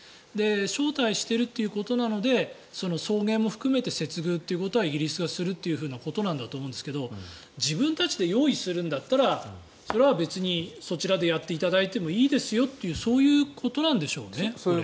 招待してるということなので送迎も含めて接遇するというイギリスはするということだと思うんですけど自分たちで用意するんだったらそれは別にそちらでやっていただいてもいいですよっていうそういうことなんですか？